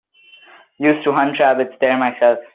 Used to hunt rabbits there myself.